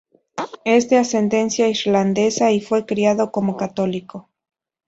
Es de ascendencia irlandesa y fue criado como católico.